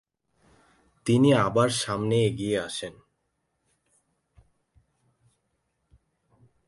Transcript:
তিনি আবার সামনে এগিয়ে আসেন।